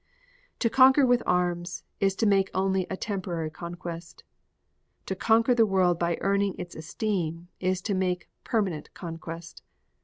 To conquer with arms is to make only a temporary conquest; to conquer the world by earning its esteem is to make permanent conquest.